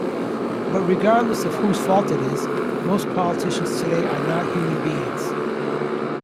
But regardless of whose fault it is, most politicians today are not human beings.